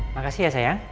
makasih ya sayang